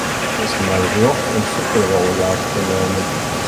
It is mei rjocht in Superwahljahr te neamen.